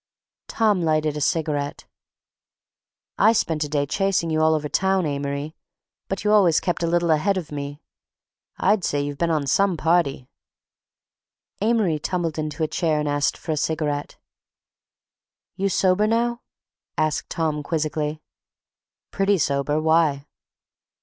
Tom lighted a cigarette. "I spent a day chasing you all over town, Amory. But you always kept a little ahead of me. I'd say you've been on some party." Amory tumbled into a chair and asked for a cigarette. "You sober now?" asked Tom quizzically. "Pretty sober. Why?"